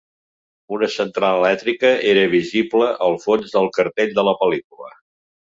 Una central elèctrica era visible al fons del cartell de la pel·lícula.